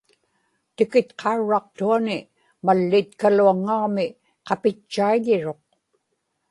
tikitqaurraqtuani mallitkaluaŋŋaġmi qapitchaiḷiruq